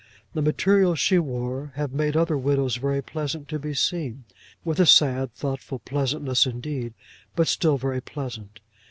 The materials she wore have made other widows very pleasant to be seen, with a sad thoughtful pleasantness indeed, but still very pleasant.